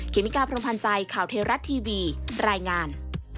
เมกาพรมพันธ์ใจข่าวเทราะทีวีรายงาน